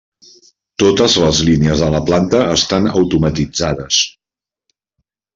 Totes les línies de la planta estan automatitzades.